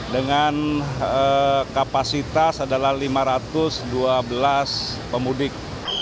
dengan kapasitas adalah lima ratus dua belas pemudik